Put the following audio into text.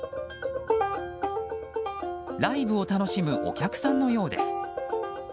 ライブを楽しむお客さんのようです。